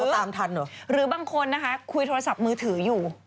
หรือบางคนคุยโทรศัพท์มือถืออยู่